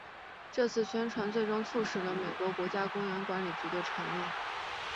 这次宣传最终促成了美国国家公园管理局的成立。